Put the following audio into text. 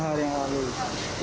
lima hari yang lalu